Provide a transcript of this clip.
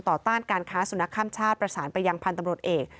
ต้านการค้าสุนัขข้ามชาติประสานไปยังพันธุ์ตำรวจเอก